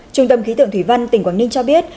trung tâm khí tượng thủy văn tỉnh quảng ninh cho biết